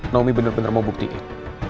naomi bener bener mau buktiin